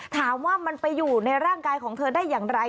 ถามว่ามันไปอยู่ในร่างกายของเธอได้อย่างไร